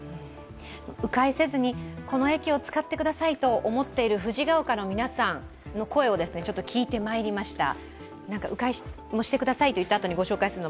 う回せずにこの駅を使ってくださいと思っている藤が丘の皆さんの声を聞いてみました。